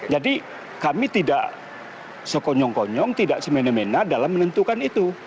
jadi kami tidak sekonyong konyong tidak semena mena dalam menentukan itu